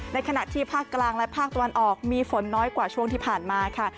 ในขณะที่ภาคกลางและภาคตะวันออกมีฝนน้อยกว่าช่วงที่ผ่านมาค่ะ